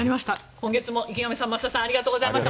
今月も池上さん、増田さんありがとうございました。